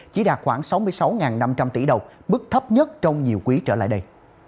chỉ đạt khoảng sáu mươi sáu năm trăm linh tỷ đồng mức thấp nhất trong nhiều quý trở lại đây